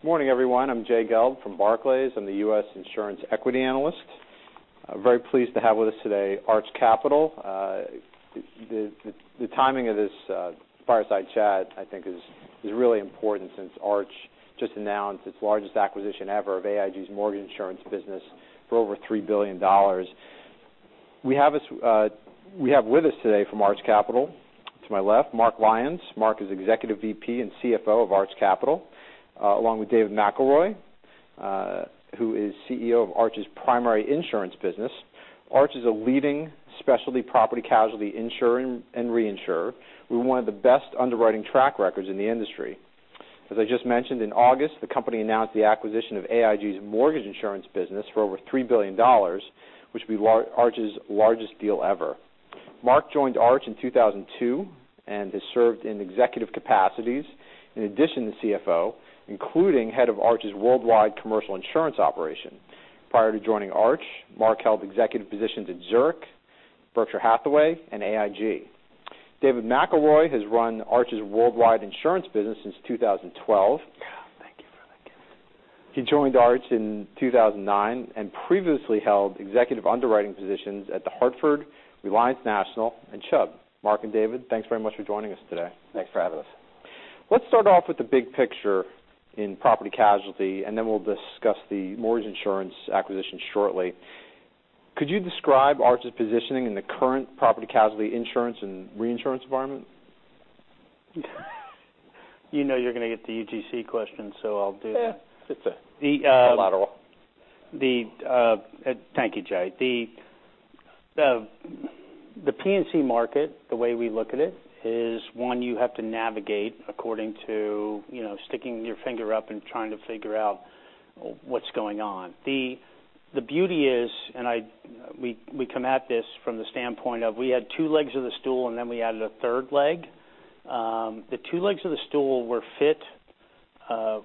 Good morning, everyone. I'm Jay Gelb from Barclays. I'm the U.S. Insurance Equity Analyst. Very pleased to have with us today Arch Capital. The timing of this fireside chat, I think, is really important since Arch just announced its largest acquisition ever of AIG's mortgage insurance business for over $3 billion. We have with us today from Arch Capital, to my left, Mark Lyons. Mark is Executive VP and CFO of Arch Capital, along with David McElroy, who is CEO of Arch's primary insurance business. Arch is a leading specialty property casualty insurer and reinsurer with one of the best underwriting track records in the industry. As I just mentioned, in August the company announced the acquisition of AIG's mortgage insurance business for over $3 billion, which will be Arch's largest deal ever. Mark joined Arch in 2002 and has served in executive capacities in addition to CFO, including head of Arch's worldwide commercial insurance operation. Prior to joining Arch, Mark held executive positions at Zurich, Berkshire Hathaway, and AIG. David McElroy has run Arch's worldwide insurance business since 2012. Thank you for that gift. He joined Arch in 2009 and previously held executive underwriting positions at The Hartford, Reliance National, and Chubb. Mark and David, thanks very much for joining us today. Thanks for having us. Let's start off with the big picture in property casualty, and then we'll discuss the mortgage insurance acquisition shortly. Could you describe Arch's positioning in the current property casualty insurance and reinsurance environment? You know you're going to get the UGC question, so I'll do that. Yeah. It's a lateral. Thank you, Jay. The P&C market, the way we look at it, is one you have to navigate according to sticking your finger up and trying to figure out what's going on. The beauty is, we come at this from the standpoint of we had two legs of the stool. Then we added a third leg. The two legs of the stool were fit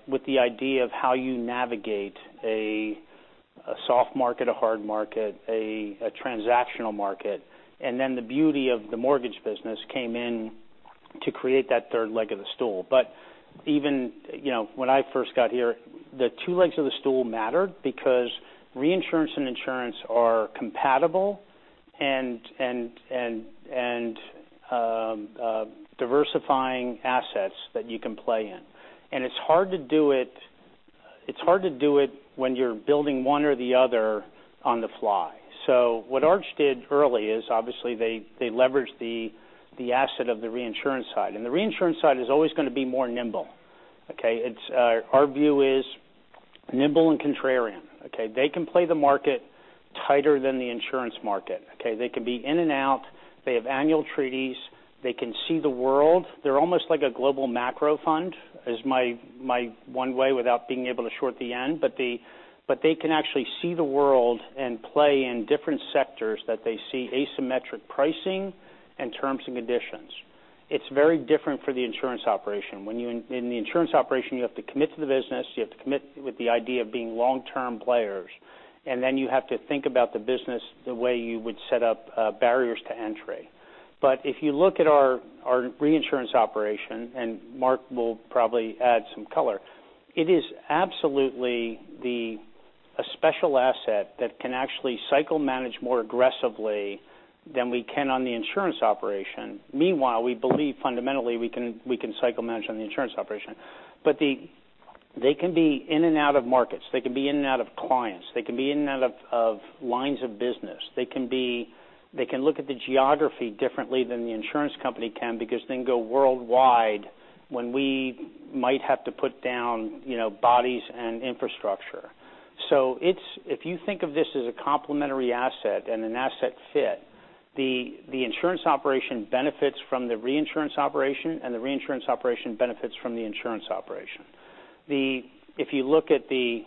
with the idea of how you navigate a soft market, a hard market, a transactional market. Then the beauty of the mortgage business came in to create that third leg of the stool. Even when I first got here, the two legs of the stool mattered because reinsurance and insurance are compatible and diversifying assets that you can play in. It's hard to do it when you're building one or the other on the fly. What Arch did early is obviously they leveraged the asset of the reinsurance side. The reinsurance side is always going to be more nimble. Okay? Our view is nimble and contrarian. Okay? They can play the market tighter than the insurance market. Okay? They can be in and out. They have annual treaties. They can see the world. They're almost like a global macro fund, is my one way without being able to short the end. They can actually see the world and play in different sectors that they see asymmetric pricing and terms and conditions. It's very different for the insurance operation. In the insurance operation, you have to commit to the business. You have to commit with the idea of being long-term players. Then you have to think about the business the way you would set up barriers to entry. If you look at our reinsurance operation, Mark will probably add some color, it is absolutely a special asset that can actually cycle manage more aggressively than we can on the insurance operation. Meanwhile, we believe fundamentally we can cycle manage on the insurance operation. They can be in and out of markets. They can be in and out of clients. They can be in and out of lines of business. They can look at the geography differently than the insurance company can because they can go worldwide when we might have to put down bodies and infrastructure. If you think of this as a complementary asset and an asset fit, the insurance operation benefits from the reinsurance operation. The reinsurance operation benefits from the insurance operation. If you look at the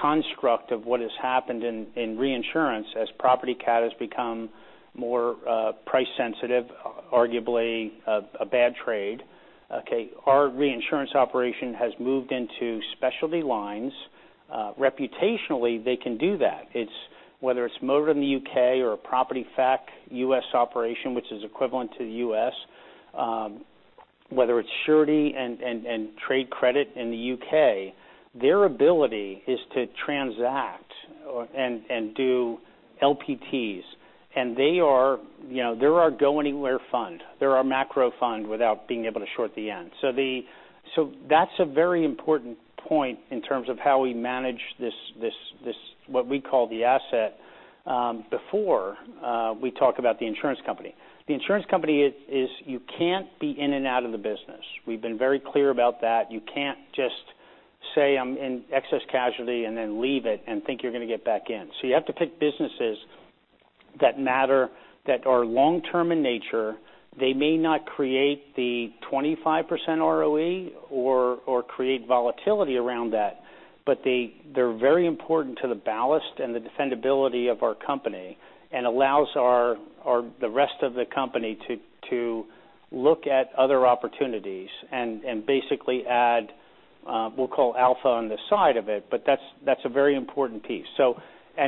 construct of what has happened in reinsurance as property cat has become more price sensitive, arguably a bad trade, okay, our reinsurance operation has moved into specialty lines. Reputationally, they can do that. Whether it's motor in the U.K. or a property fac U.S. operation, which is equivalent to the U.S., whether it's surety and trade credit in the U.K., their ability is to transact and do LPTs. They're our go-anywhere fund. They're our macro fund without being able to short the end. That's a very important point in terms of how we manage this, what we call the asset, before we talk about the insurance company. The insurance company is you can't be in and out of the business. We've been very clear about that. You can't just say, "I'm in excess casualty," and then leave it and think you're going to get back in. You have to pick businesses that matter, that are long-term in nature. They may not create the 25% ROE or create volatility around that, but they're very important to the ballast and the defendability of our company and allows the rest of the company to look at other opportunities and basically add, we'll call alpha on the side of it, but that's a very important piece.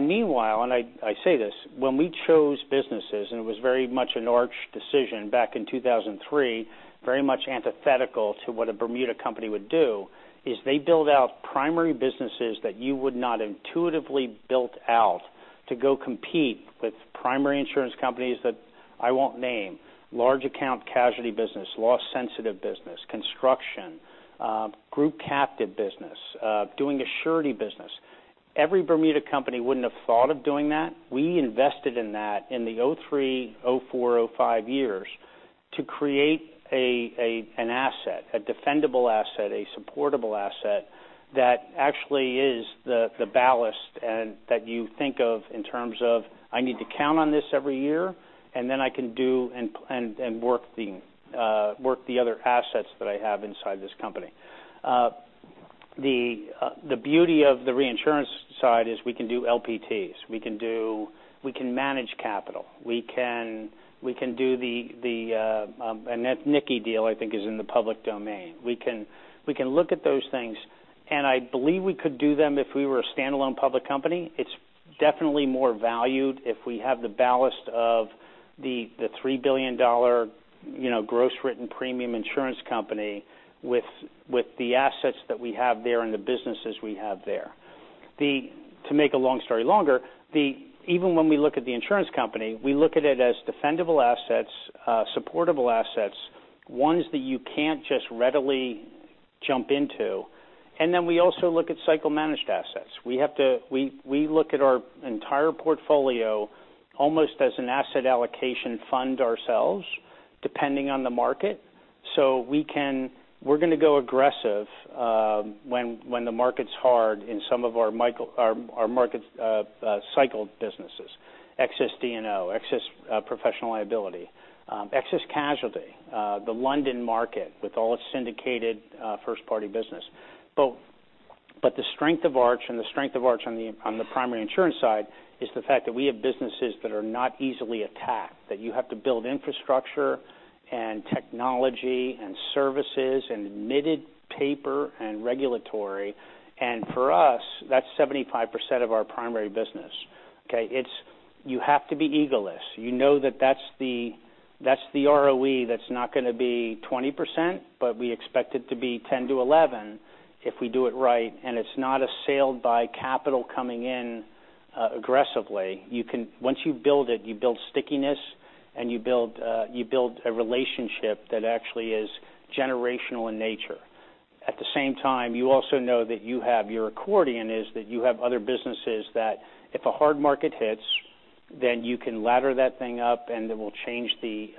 Meanwhile, and I say this, when we chose businesses, it was very much an Arch decision back in 2003. Very much antithetical to what a Bermuda company would do, is they build out primary businesses that you would not intuitively build out to go compete with primary insurance companies that I won't name. Large account casualty business, loss sensitive business, construction, group captive business, doing a surety business. Every Bermuda company wouldn't have thought of doing that. We invested in that in the 2003, 2004, 2005 years to create an asset, a defendable asset, a supportable asset that actually is the ballast and that you think of in terms of, I need to count on this every year, and then I can do and work the other assets that I have inside this company. The beauty of the reinsurance side is we can do LPTs. We can manage capital. We can do a niche deal, I think is in the public domain. We can look at those things, and I believe we could do them if we were a standalone public company. It's definitely more valued if we have the ballast of the $3 billion gross written premium insurance company with the assets that we have there and the businesses we have there. To make a long story longer, even when we look at the insurance company, we look at it as defendable assets, supportable assets, ones that you can't just readily jump into. We also look at cycle-managed assets. We look at our entire portfolio almost as an asset allocation fund ourselves, depending on the market. We're going to go aggressive when the market's hard in some of our market cycle businesses. Excess D&O, excess professional liability, excess casualty, the London market with all its syndicated first-party business. The strength of Arch on the primary insurance side is the fact that we have businesses that are not easily attacked, that you have to build infrastructure and technology and services and admitted paper and regulatory. For us, that's 75% of our primary business, okay? You have to be egoless. You know that that's the ROE that's not going to be 20%, but we expect it to be 10%-11% if we do it right. It's not a sale by capital coming in aggressively. Once you build it, you build stickiness and you build a relationship that actually is generational in nature. At the same time, you also know that you have your accordion is that you have other businesses that if a hard market hits, you can ladder that thing up and it will change the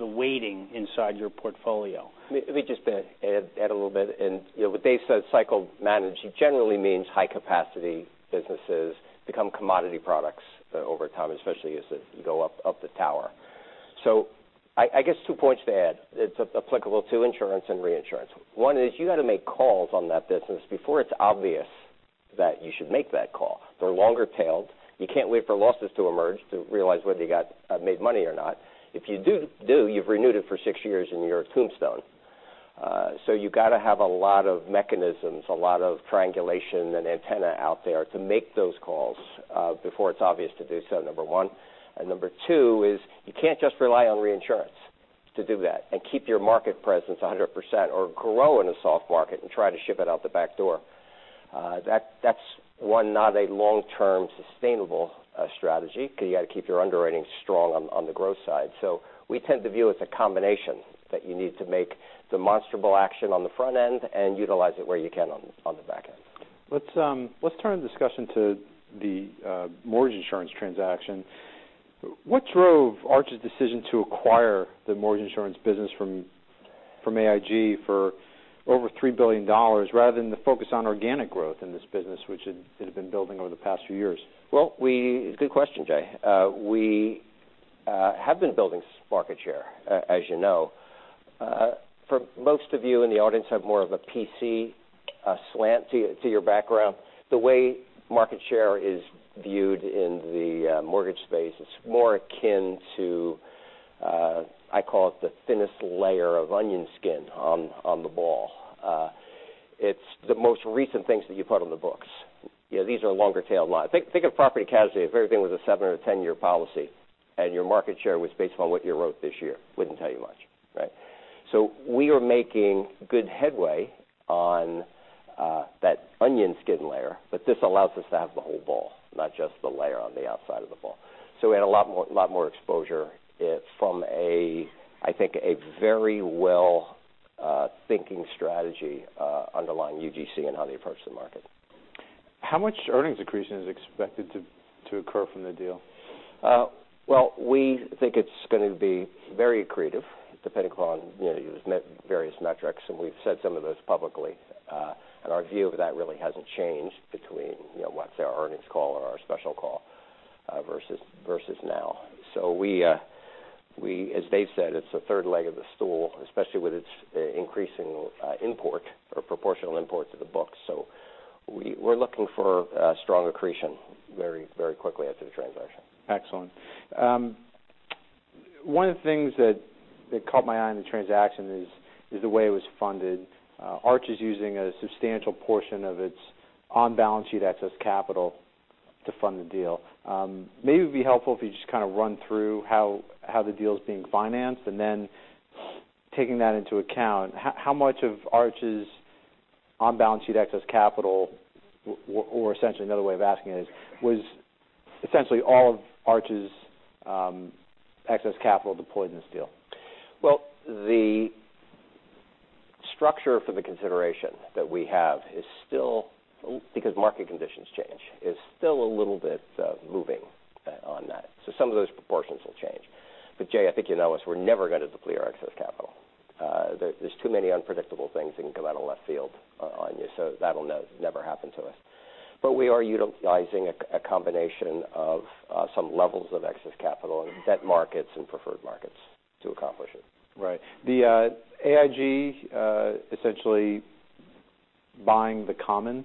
weighting inside your portfolio. Let me just add a little bit in. What Dave said, cycle manage, generally means high capacity businesses become commodity products over time, especially as you go up the tower. I guess two points to add. It's applicable to insurance and reinsurance. One is you got to make calls on that business before it's obvious that you should make that call. They're longer tailed. You can't wait for losses to emerge to realize whether you made money or not. If you do, you've renewed it for six years and you're a tombstone. You got to have a lot of mechanisms, a lot of triangulation and antenna out there to make those calls before it's obvious to do so, number one. Number two is you can't just rely on reinsurance to do that and keep your market presence 100% or grow in a soft market and try to ship it out the back door. That's one, not a long-term sustainable strategy because you got to keep your underwriting strong on the growth side. We tend to view it as a combination that you need to make demonstrable action on the front end and utilize it where you can on the back end. Let's turn the discussion to the mortgage insurance transaction. What drove Arch's decision to acquire the mortgage insurance business from AIG for over $3 billion rather than the focus on organic growth in this business, which it had been building over the past few years? Well, good question, Jay. We have been building market share, as you know. For most of you in the audience have more of a PC slant to your background. The way market share is viewed in the mortgage space, it's more akin to, I call it the thinnest layer of onion skin on the ball. It's the most recent things that you put on the books. These are longer tail lines. Think of property casualty if everything was a seven or a 10-year policy and your market share was based on what you wrote this year. Wouldn't tell you much, right? We are making good headway on that onion skin layer, but this allows us to have the whole ball, not just the layer on the outside of the ball. We had a lot more exposure from a very well-thinking strategy underlying UGC and how they approach the market. How much earnings accretion is expected to occur from the deal? Well, we think it's going to be very accretive depending upon various metrics, and we've said some of those publicly. Our view of that really hasn't changed between, let's say, our earnings call and our special call versus now. As Dave said, it's the third leg of the stool, especially with its increasing import or proportional import to the book. We're looking for strong accretion very quickly after the transaction. Excellent. One of the things that caught my eye on the transaction is the way it was funded. Arch is using a substantial portion of its on-balance sheet excess capital to fund the deal. Maybe it'd be helpful if you just kind of run through how the deal's being financed, and then taking that into account, how much of Arch's on-balance sheet excess capital, or essentially another way of asking it is, was essentially all of Arch's excess capital deployed in this deal? Well, the structure for the consideration that we have is still, because market conditions change, is still a little bit moving on that. Some of those proportions will change. Jay, I think you know us, we're never going to deplete our excess capital. There's too many unpredictable things that can come out of left field on you. That'll never happen to us. We are utilizing a combination of some levels of excess capital in debt markets and preferred markets to accomplish it. Right. The AIG essentially buying the common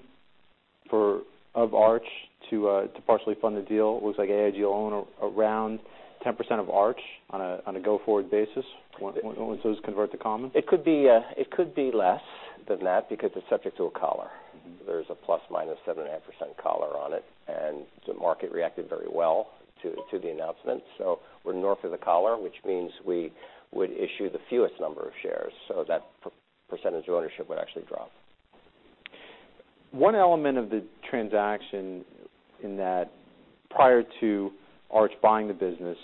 of Arch to partially fund the deal. It looks like AIG will own around 10% of Arch on a go-forward basis once those convert to common. It could be less than that because it's subject to a collar. There's a ±7.5% collar on it, and the market reacted very well to the announcement. We're north of the collar, which means we would issue the fewest number of shares, so that percentage of ownership would actually drop. One element of the transaction in that prior to Arch buying the business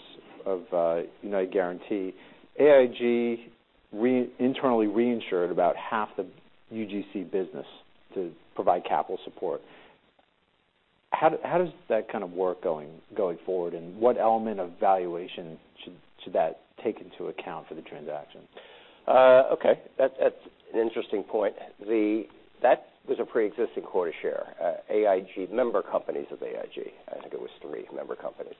of United Guaranty, AIG internally reinsured about half the UGC business to provide capital support. How does that kind of work going forward, and what element of valuation should that take into account for the transaction? Okay. That's an interesting point. That was a preexisting quota share. Member companies of AIG, I think it was three member companies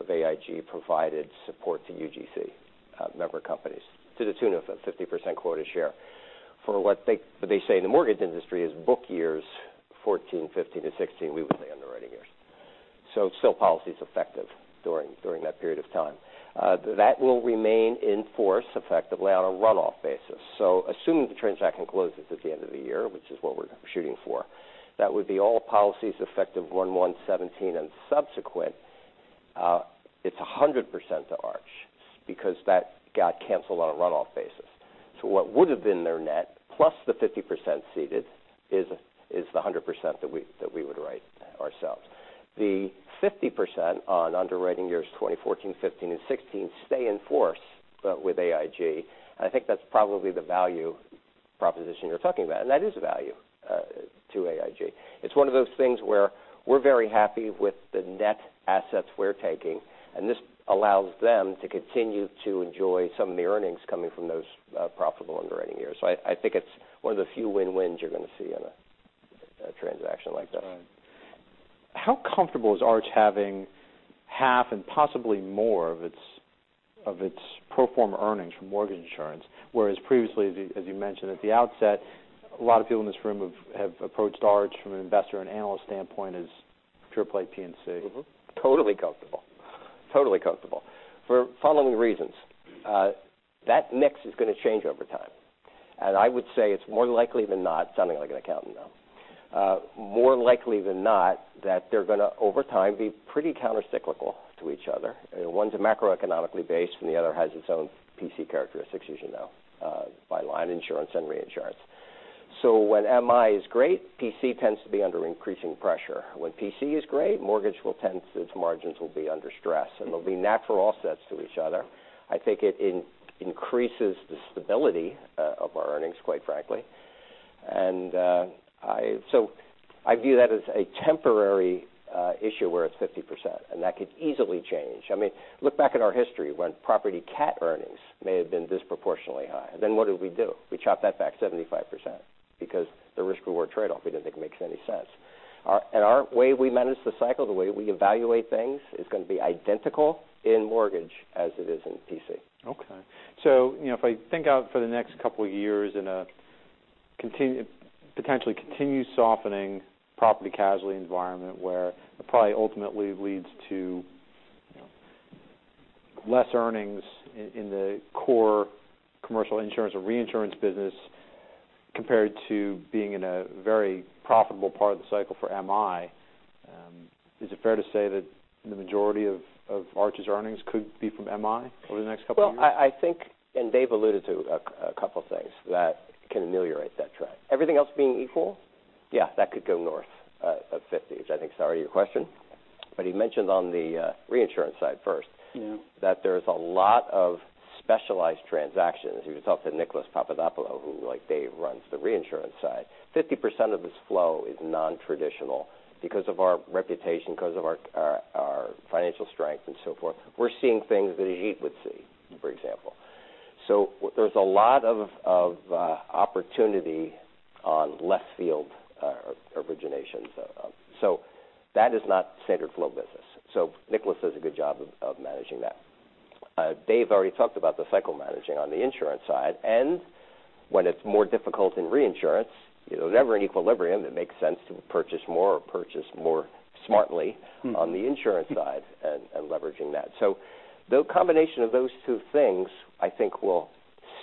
of AIG, provided support to UGC, member companies, to the tune of a 50% quota share for what they say in the mortgage industry is book years 2014, 2015, and 2016, we would say underwriting years. Still policies effective during that period of time. That will remain in force effectively on a runoff basis. Assuming the transaction closes at the end of the year, which is what we're shooting for, that would be all policies effective 1/1/2017 and subsequent. It's 100% to Arch because that got canceled on a runoff basis. What would've been their net, plus the 50% ceded, is the 100% that we would write ourselves. The 50% on underwriting years 2014, 2015, and 2016 stay in force with AIG, and I think that's probably the value proposition you're talking about, and that is a value to AIG. It's one of those things where we're very happy with the net assets we're taking, and this allows them to continue to enjoy some of the earnings coming from those profitable underwriting years. I think it's one of the few win-wins you're going to see on a transaction like this. That's right. How comfortable is Arch having half and possibly more of its pro forma earnings from mortgage insurance, whereas previously, as you mentioned at the outset, a lot of people in this room have approached Arch from an investor and analyst standpoint as triple A P&C? Totally comfortable. Totally comfortable. For following reasons. That mix is going to change over time, and I would say it is more likely than not, sounding like an accountant now, more likely than not that they are going to, over time, be pretty countercyclical to each other. One is a macroeconomically based and the other has its own PC characteristics, as you know, by line insurance and reinsurance. When MI is great, PC tends to be under increasing pressure. When PC is great, mortgage will tend to, its margins will be under stress, and there will be natural offsets to each other. I think it increases the stability of our earnings, quite frankly. I view that as a temporary issue where it is 50%, and that could easily change. Look back at our history when property cat earnings may have been disproportionately high. What did we do? We chopped that back 75% because the risk/reward trade-off we did not think makes any sense. Our way we manage the cycle, the way we evaluate things is going to be identical in mortgage as it is in PC. Okay. If I think out for the next couple of years in a potentially continued softening property casualty environment where it probably ultimately leads to less earnings in the core commercial insurance or reinsurance business compared to being in a very profitable part of the cycle for MI, is it fair to say that the majority of Arch's earnings could be from MI over the next couple of years? Well, I think, Dave alluded to a couple things that can ameliorate that trend. Everything else being equal, yeah, that could go north of 50, which I think is already your question. He mentioned on the reinsurance side first. Yeah There's a lot of specialized transactions. If you talk to Nicolas Papadopoulo, who, like Dave, runs the reinsurance side, 50% of this flow is non-traditional because of our reputation, because of our financial strength and so forth. We're seeing things that he would see, for example. There's a lot of opportunity on left field originations. That is not standard flow business. Nicolas does a good job of managing that. Dave already talked about the cycle managing on the insurance side, and when it's more difficult in reinsurance, it was never in equilibrium, it makes sense to purchase more or purchase more smartly on the insurance side and leveraging that. The combination of those two things, I think will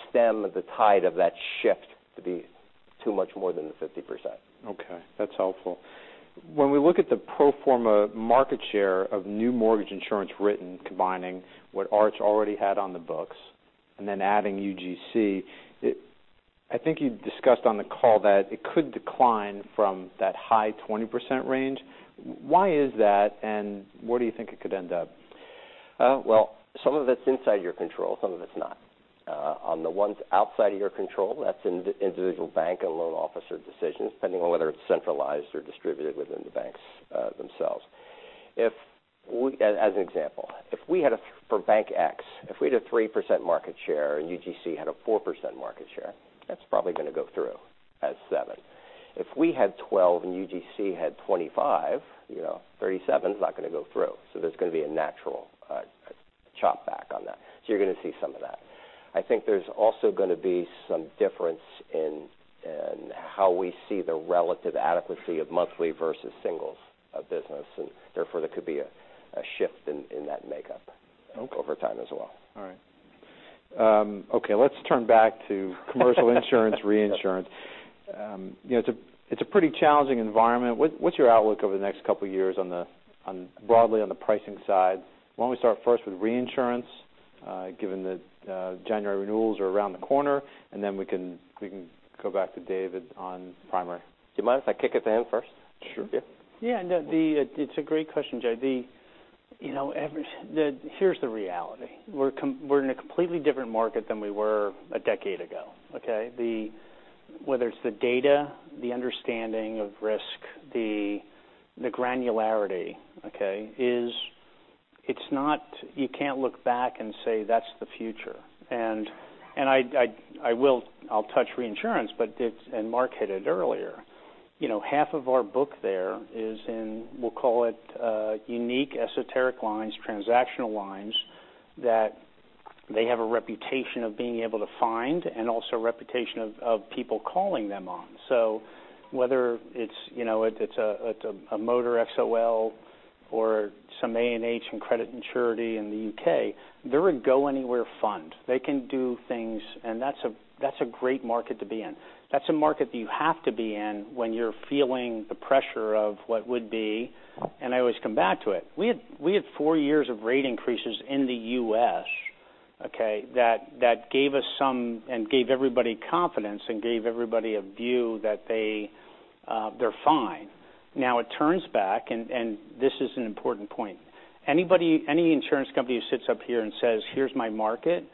stem the tide of that shift to be too much more than the 50%. Okay, that's helpful. When we look at the pro forma market share of new mortgage insurance written, combining what Arch already had on the books and then adding UGC, I think you discussed on the call that it could decline from that high 20% range. Why is that, and where do you think it could end up? Well, some of it's inside your control, some of it's not. On the ones outside of your control, that's individual bank and loan officer decisions, depending on whether it's centralized or distributed within the banks themselves. As an example, for bank X, if we had a 3% market share and UGC had a 4% market share, that's probably going to go through as seven. If we had 12% and UGC had 25%, 37% is not going to go through. There's going to be a natural chop back on that. You're going to see some of that. I think there's also going to be some difference in how we see the relative adequacy of monthly versus singles of business, and therefore there could be a shift in that makeup over time as well. All right. Okay. Let's turn back to commercial insurance, reinsurance. It's a pretty challenging environment. What's your outlook over the next couple of years broadly on the pricing side? Why don't we start first with reinsurance, given that January renewals are around the corner, and then we can go back to David on primary. Do you mind if I kick it to him first? Sure. Yeah. No, it's a great question, Jay. Here's the reality. We're in a completely different market than we were a decade ago, okay? Whether it's the data, the understanding of risk, the granularity, okay? You can't look back and say, "That's the future." I'll touch reinsurance, and Mark hit it earlier. Half of our book there is in, we'll call it unique esoteric lines, transactional lines that they have a reputation of being able to find and also a reputation of people calling them on. Whether it's a motor XOL or some A&H and credit and surety in the U.K., they're a go-anywhere fund. They can do things, and that's a great market to be in. That's a market that you have to be in when you're feeling the pressure of what would be. I always come back to it. We had four years of rate increases in the U.S., okay, that gave us some, gave everybody confidence, gave everybody a view that they're fine. Now it turns back. This is an important point. Any insurance company who sits up here and says, "Here's my market,"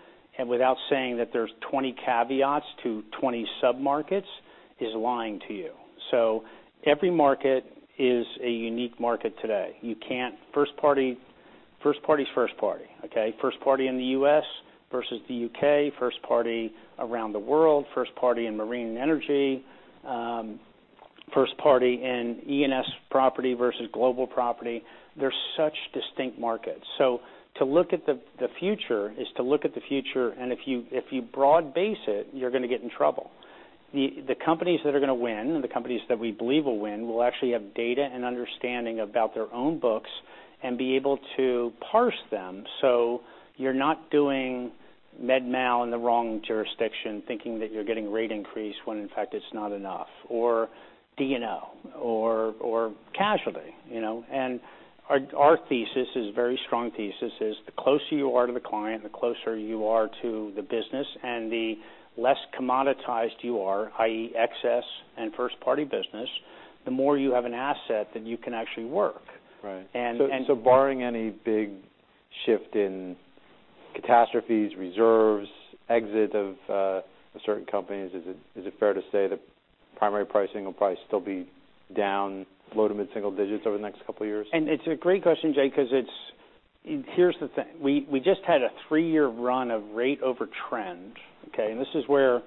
without saying that there's 20 caveats to 20 sub-markets, is lying to you. Every market is a unique market today. First party is first party, okay? First party in the U.S. versus the U.K., first party around the world, first party in marine and energy, first party in E&S property versus global property. They're such distinct markets. To look at the future is to look at the future, if you broad base it, you're going to get in trouble. The companies that are going to win, the companies that we believe will win, will actually have data and understanding about their own books and be able to parse them. You're not doing med mal in the wrong jurisdiction thinking that you're getting rate increase when in fact it's not enough, or D&O or casualty. Our thesis is a very strong thesis, is the closer you are to the client, the closer you are to the business, the less commoditized you are, i.e., excess and first-party business, the more you have an asset that you can actually work. Right. Barring any big shift in catastrophes, reserves, exit of certain companies, is it fair to say that primary pricing will probably still be down low to mid single digits over the next couple of years? It's a great question, Jay, because here's the thing. We just had a three-year run of rate over trend, okay? This is where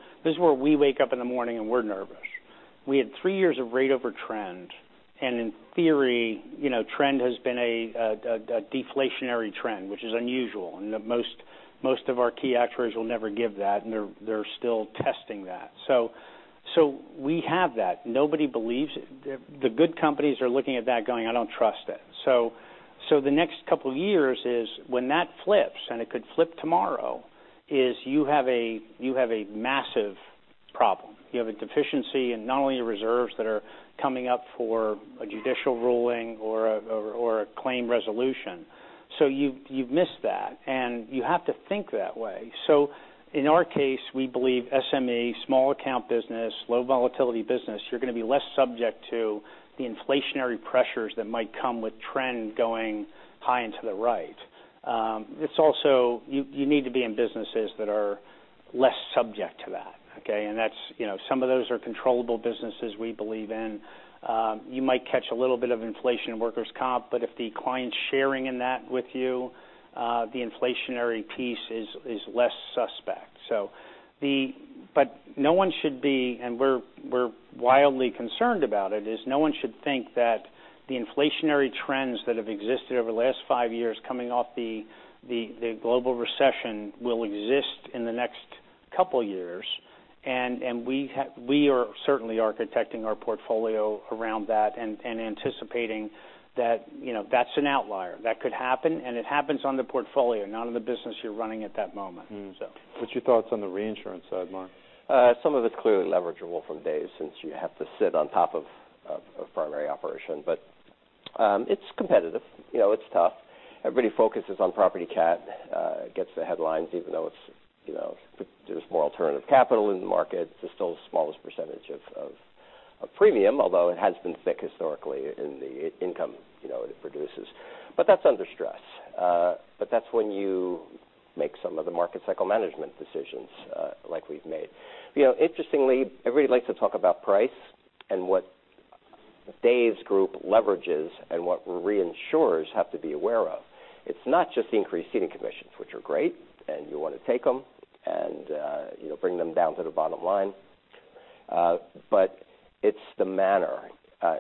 we wake up in the morning and we're nervous. We had three years of rate over trend, and in theory, trend has been a deflationary trend, which is unusual, and most of our key actuaries will never give that, and they're still testing that. We have that. Nobody believes it. The good companies are looking at that going, "I don't trust it." The next couple of years is when that flips, and it could flip tomorrow, is you have a massive problem. You have a deficiency in not only your reserves that are coming up for a judicial ruling or a claim resolution. You've missed that, and you have to think that way. In our case, we believe SME, small account business, low volatility business, you're going to be less subject to the inflationary pressures that might come with trend going high and to the right. You need to be in businesses that are less subject to that, okay? Some of those are controllable businesses we believe in. You might catch a little bit of inflation in workers' comp, but if the client's sharing in that with you, the inflationary piece is less suspect. No one should be, and we're wildly concerned about it, is no one should think that the inflationary trends that have existed over the last five years coming off the global recession will exist in the next couple of years. We are certainly architecting our portfolio around that and anticipating that that's an outlier. That could happen, and it happens on the portfolio, not on the business you're running at that moment. What's your thoughts on the reinsurance side, Mark? Some of it's clearly leverageable from Dave, since you have to sit on top of a primary operation. It's competitive, it's tough. Everybody focuses on property cat, gets the headlines, even though there's more alternative capital in the market, it's still the smallest % of premium, although it has been thick historically in the income it produces. That's under stress. That's when you make some of the market cycle management decisions like we've made. Interestingly, everybody likes to talk about price and what Dave's group leverages and what reinsurers have to be aware of. It's not just the increased ceding commissions, which are great, and you want to take them and bring them down to the bottom line. It's the manner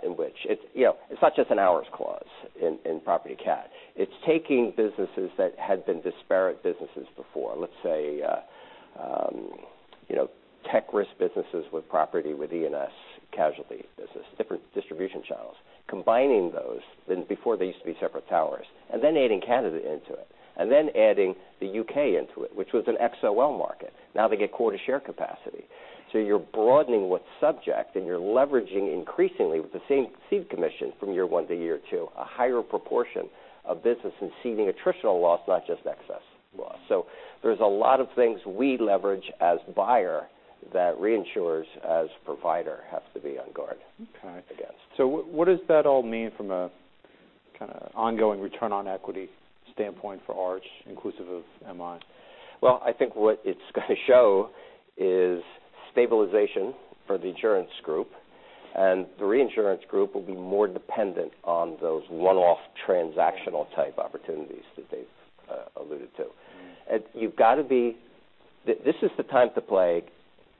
in which. It's not just an hours clause in property cat. It's taking businesses that had been disparate businesses before, let's say, tech risk businesses with property, with E&S casualty business, different distribution channels, combining those, when before they used to be separate towers, adding Canada into it, adding the U.K. into it, which was an XOL market. Now they get quota share capacity. You're broadening what's subject, and you're leveraging increasingly with the same ceding commission from year one to year two, a higher proportion of business and ceding attritional loss, not just excess loss. There's a lot of things we leverage as buyer that reinsurers as provider have to be on guard against. Okay. What does that all mean from a kind of ongoing return on equity standpoint for Arch, inclusive of MI? Well, I think what it's going to show is stabilization for the insurance group, the reinsurance group will be more dependent on those one-off transactional type opportunities that Dave alluded to. This is the time to play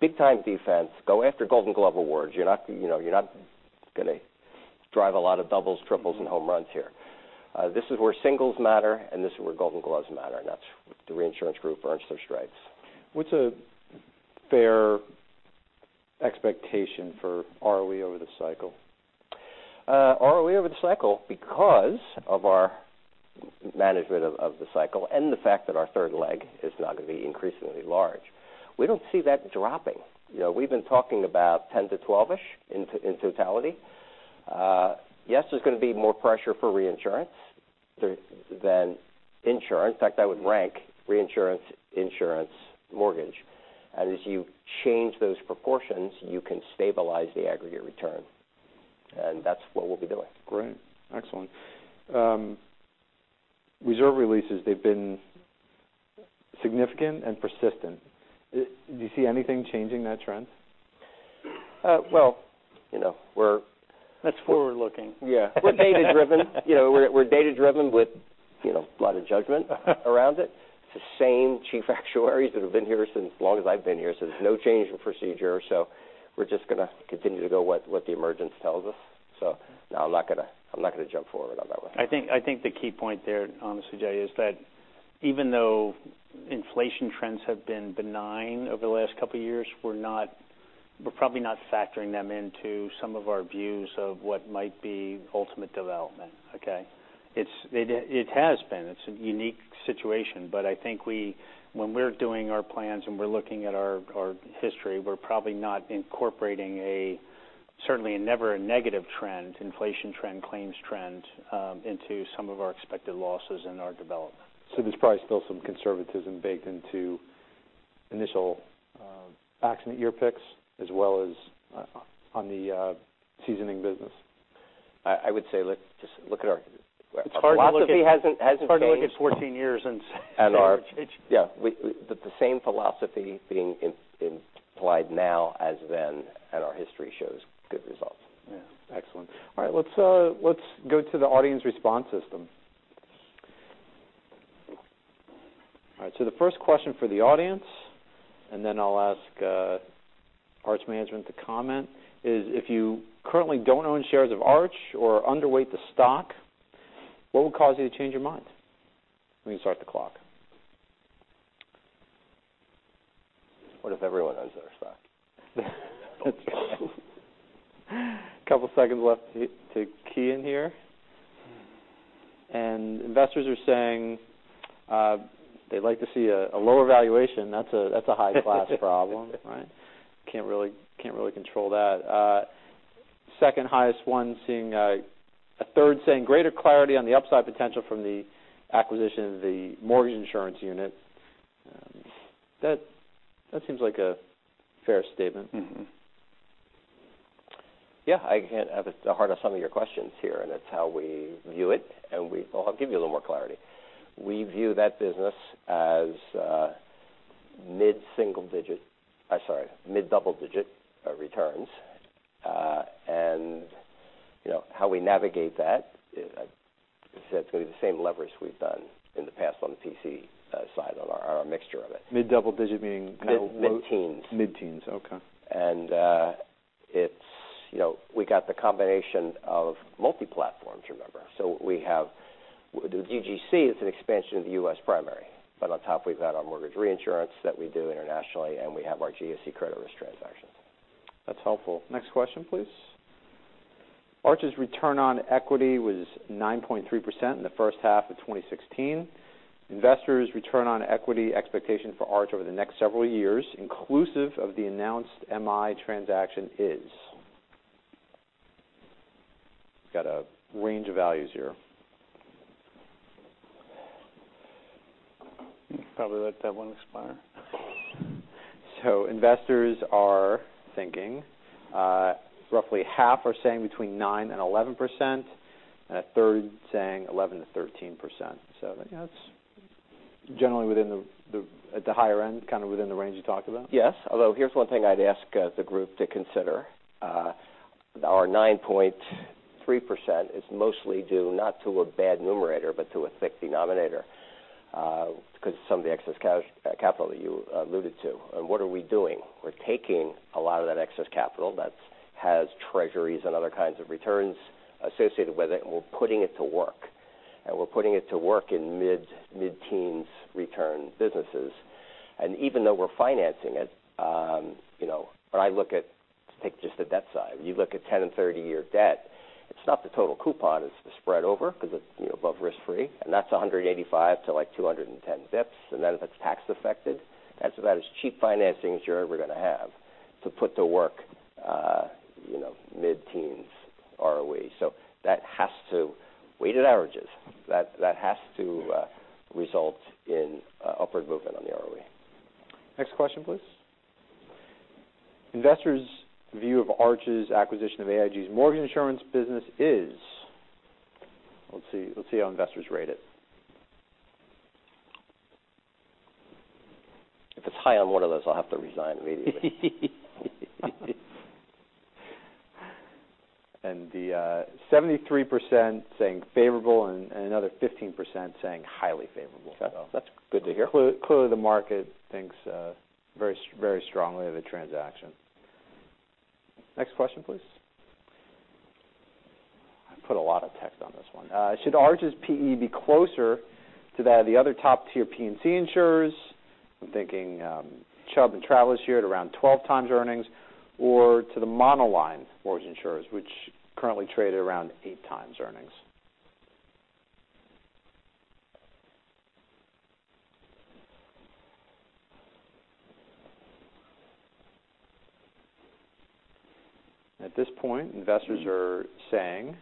big-time defense, go after Gold Glove awards. You're not going to drive a lot of doubles, triples, and home runs here. This is where singles matter, and this is where Gold Gloves matter, and that's the reinsurance group earns their stripes. What's a fair expectation for ROE over the cycle? ROE over the cycle, because of our management of the cycle and the fact that our third leg is now going to be increasingly large, we don't see that dropping. We've been talking about 10 to 12-ish in totality. Yes, there's going to be more pressure for reinsurance than insurance. In fact, I would rank reinsurance, insurance, mortgage. As you change those proportions, you can stabilize the aggregate return. That's what we'll be doing. Great. Excellent. Reserve releases, they've been significant and persistent. Do you see anything changing that trend? Well. That's forward-looking. Yeah. We're data-driven with a lot of judgment around it. It's the same chief actuaries that have been here since as long as I've been here, there's no change in procedure. We're just going to continue to go what the emergence tells us. No, I'm not going to jump forward on that one. I think the key point there, honestly, Jay, is that even though inflation trends have been benign over the last couple of years, we're probably not factoring them into some of our views of what might be ultimate development. Okay. It has been. It's a unique situation, I think when we're doing our plans and we're looking at our history, we're probably not incorporating a, certainly never a negative trend, inflation trend, claims trend, into some of our expected losses in our development. There's probably still some conservatism baked into initial accident year picks, as well as on the seasoning business. I would say let's just look at our- It's hard to look at. Philosophy hasn't changed. It's hard to look at 14 years and say it's. Yeah. The same philosophy being applied now as then, and our history shows good results. Yeah. Excellent. All right. Let's go to the audience response system. All right, the first question for the audience, and then I'll ask Arch's management to comment is, if you currently don't own shares of Arch or underweight the stock, what would cause you to change your mind? Let me start the clock. What if everyone has their stock? A couple seconds left to key in here. Investors are saying they'd like to see a lower valuation. That's a high-class problem, right? Can't really control that. Second highest one, seeing a third saying greater clarity on the upside potential from the acquisition of the mortgage insurance unit. That seems like a fair statement. Yeah, I hit the heart of some of your questions here, and it's how we view it, and I'll give you a little more clarity. We view that business as mid-double digit returns. How we navigate that is that it's going to be the same leverage we've done in the past on the PC side or a mixture of it. Mid-double digit meaning? Mid-teens. Mid-teens. Okay. We've got the combination of multi-platforms, remember. The UGC is an expansion of the U.S. primary. On top, we've got our mortgage reinsurance that we do internationally, and we have our GSE credit risk transactions. That's helpful. Next question, please. Arch's return on equity was 9.3% in the first half of 2016. Investors' return on equity expectation for Arch over the next several years, inclusive of the announced MI transaction is? We've got a range of values here. Probably let that one expire. Investors are thinking. Roughly half are saying between 9%-11%, and a third saying 11%-13%. That's generally at the higher end, kind of within the range you talked about. Yes. Although here's one thing I'd ask the group to consider. Our 9.3% is mostly due not to a bad numerator, but to a thick denominator, because some of the excess capital that you alluded to. What are we doing? We're taking a lot of that excess capital that has treasuries and other kinds of returns associated with it, and we're putting it to work. We're putting it to work in mid-teens return businesses. Even though we're financing it, take just the debt side. You look at 10 and 30-year debt, it's not the total coupon, it's the spread over because it's above risk-free, and that's 185-210 bps. Then if it's tax affected, that's about as cheap financing as you're ever going to have to put to work mid-teens ROE. That has to weighted averages. That has to result in upward movement on the ROE. Next question, please. Investors' view of Arch's acquisition of AIG's mortgage insurance business is? Let's see how investors rate it. If it's high on one of those, I'll have to resign immediately. The 73% saying favorable and another 15% saying highly favorable. That's good to hear. Clearly the market thinks very strongly of the transaction. Next question, please. I put a lot of text on this one. Should Arch's PE be closer to that of the other top tier P&C insurers? I'm thinking Chubb and Travelers here at around 12 times earnings, or to the monoline mortgage insurers, which currently trade at around eight times earnings. At this point, investors are saying,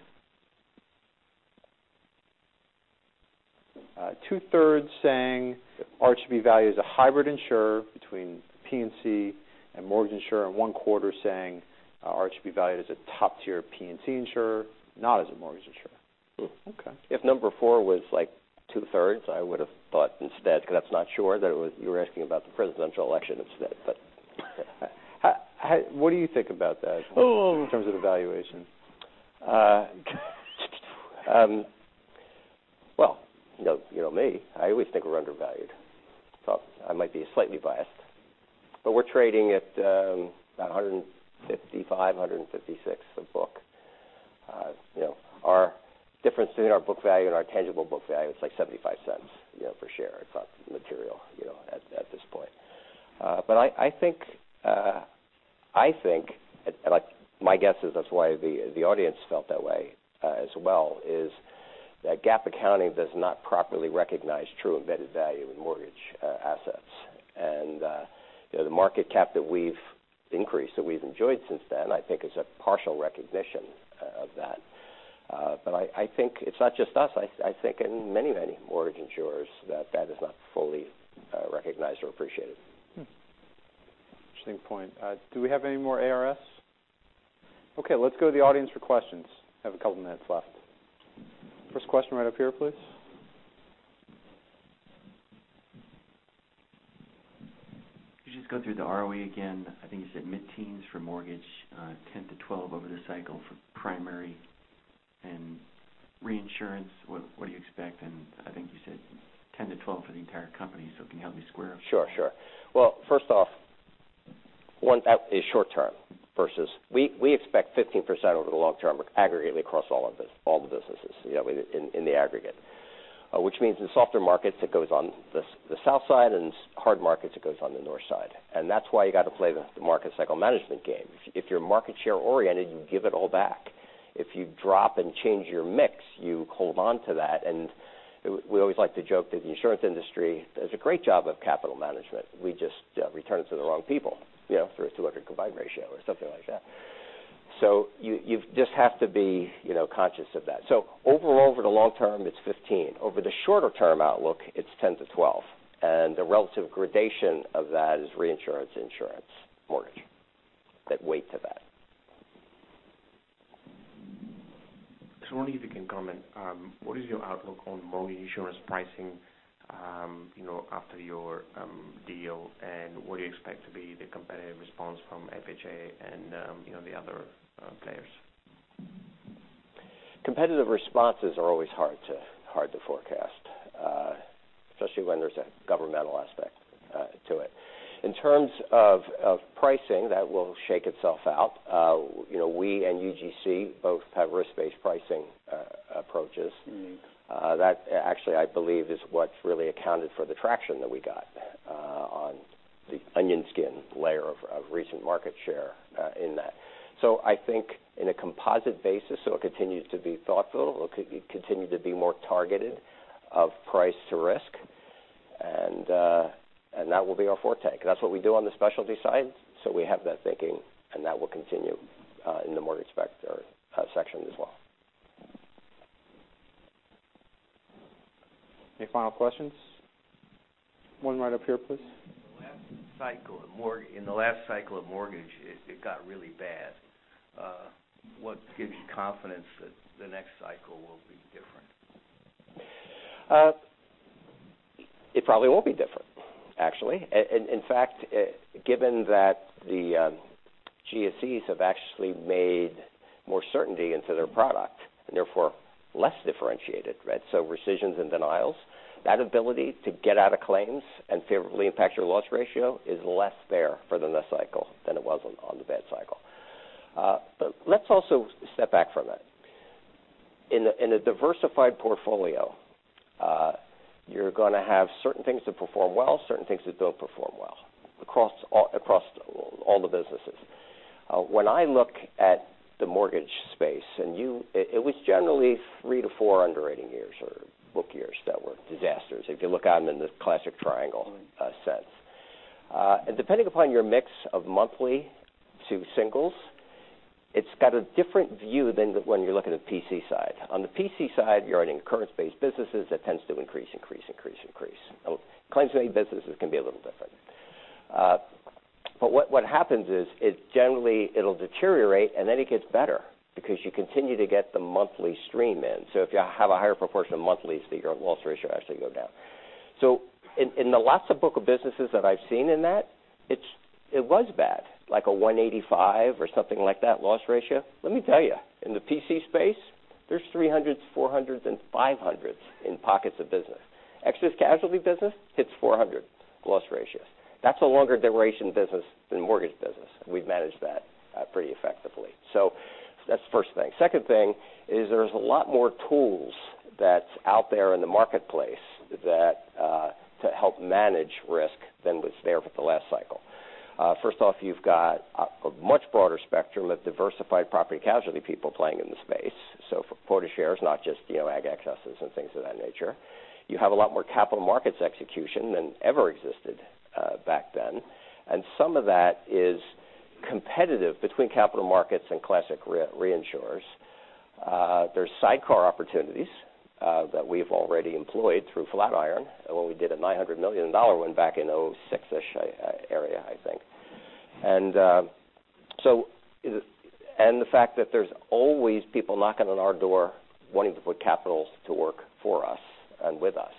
two-thirds saying Arch should be valued as a hybrid insurer between P&C and mortgage insurer, and one quarter saying Arch should be valued as a top tier P&C insurer, not as a mortgage insurer. Hmm. Okay. If number four was two-thirds, I would've thought instead, because that's not sure that you were asking about the presidential election instead. What do you think about that in terms of a valuation? Well, you know me. I always think we're undervalued. I might be slightly biased. We're trading at about 155, 156 a book. Difference between our book value and our tangible book value, it's like $0.75 per share. It's not material at this point. I think, my guess is that's why the audience felt that way as well, is that GAAP accounting does not properly recognize true embedded value in mortgage assets. The market cap that we've increased, that we've enjoyed since then, I think is a partial recognition of that. I think it's not just us. I think in many, many mortgage insurers that is not fully recognized or appreciated. Hmm. Interesting point. Do we have any more ARS? Let's go to the audience for questions. Have a couple minutes left. First question right up here, please. Could you just go through the ROE again? I think you said mid-teens for mortgage, 10%-12% over the cycle for primary, reinsurance, what do you expect? I think you said 10%-12% for the entire company. Can you help me square them? Sure. Well, first off, one, that is short term versus we expect 15% over the long term, aggregately across all the businesses in the aggregate. Which means in softer markets, it goes on the south side, and hard markets, it goes on the north side. That's why you got to play the market cycle management game. If you're market share oriented, you give it all back. If you drop and change your mix, you hold onto that, and we always like to joke that the insurance industry does a great job of capital management. We just return it to the wrong people through a 200 combined ratio or something like that. You just have to be conscious of that. Overall, over the long term, it's 15%. Over the shorter term outlook, it's 10%-12%, and the relative gradation of that is reinsurance insurance mortgage, that weight to that. I wonder if you can comment. What is your outlook on mortgage insurance pricing after your deal, and what do you expect to be the competitive response from FHA and the other players? Competitive responses are always hard to forecast, especially when there's a governmental aspect to it. In terms of pricing, that will shake itself out. We and UGC both have risk-based pricing approaches. That actually, I believe, is what's really accounted for the traction that we got on the onion skin layer of recent market share in that. I think in a composite basis, so it continues to be thoughtful, it will continue to be more targeted of price to risk, and that will be our forte. That's what we do on the specialty side. We have that thinking, and that will continue in the mortgage section as well. Any final questions? One right up here, please. In the last cycle of mortgage, it got really bad. What gives you confidence that the next cycle will be different? It probably won't be different, actually. In fact, given that the GSEs have actually made more certainty into their product and therefore less differentiated, so rescissions and denials. That ability to get out of claims and favorably impact your loss ratio is less there for the next cycle than it was on the bad cycle. Let's also step back from that. In a diversified portfolio, you're going to have certain things that perform well, certain things that don't perform well, across all the businesses. When I look at the mortgage space, and it was generally three to four underwriting years or book years that were disasters if you look at them in the classic triangle sense. Depending upon your mix of monthly to singles, it's got a different view than when you're looking at the PC side. On the PC side, you're adding occurrence-based businesses that tends to increase. Claims-made businesses can be a little different. What happens is it generally will deteriorate, and then it gets better because you continue to get the monthly stream in. If you have a higher proportion of monthlies, your loss ratio will actually go down. In the lots of book of business that I've seen in that, it was bad, like a 185 or something like that loss ratio. Let me tell you, in the PC space, there's 300s, 400s, and 500s in pockets of business. Excess casualty business hits 400+ ratios. That's a longer duration business than mortgage business. We've managed that pretty effectively. That's the first thing. Second thing is there's a lot more tools that's out there in the marketplace to help manage risk than was there for the last cycle. First off, you've got a much broader spectrum of diversified property casualty people playing in the space. For quota shares, not just agg excesses and things of that nature. You have a lot more capital markets execution than ever existed back then, and some of that is competitive between capital markets and classic reinsurers. There's sidecar opportunities that we've already employed through Flatiron Re when we did a $900 million one back in 2006-ish area, I think. The fact that there's always people knocking on our door wanting to put capitals to work for us and with us.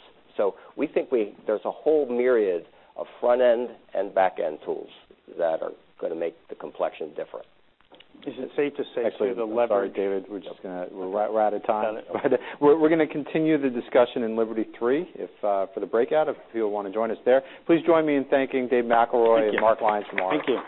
We think there's a whole myriad of front-end and back-end tools that are going to make the complexion different. Is it safe to say the lever- Actually, I'm sorry, David, we're out of time. Got it. We're going to continue the discussion in Liberty three for the breakout, if people want to join us there. Please join me in thanking Dave McElroy and- Thank you -Mark Lyons Thank you